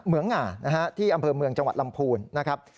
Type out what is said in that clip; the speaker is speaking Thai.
หง่านะฮะที่อำเภอเมืองจังหวัดลำพูนนะครับ